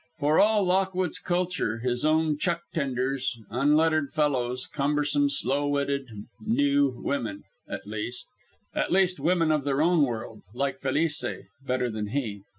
For all Lockwood's culture, his own chuck tenders, unlettered fellows, cumbersome, slow witted, "knew women" at least, women of their own world, like Felice better than he.